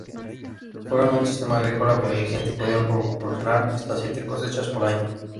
Fueron un sistema agrícola muy eficiente y podían proporcionar hasta siete cosechas por año.